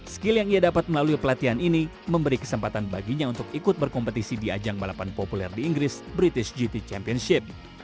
skill yang ia dapat melalui pelatihan ini memberi kesempatan baginya untuk ikut berkompetisi di ajang balapan populer di inggris british gt championship